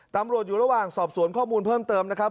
ตำรวจอยู่ระหว่างสอบสวนข้อมูลเพิ่มเติมนะครับ